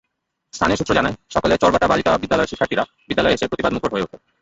স্থানীয় সূত্র জানায়, সকালে চরবাটা বালিকা বিদ্যালয়ের শিক্ষার্থীরা বিদ্যালয়ে এসে প্রতিবাদমুখর হয়ে ওঠে।